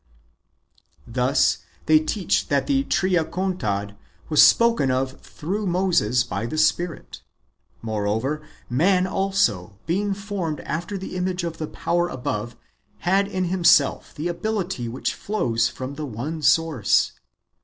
Thus they teach that the Triacontad was spoken of through Moses by the Spirit. Moreover, man also, being formed after the image of the power above, had in himself that ability which flows from the one source.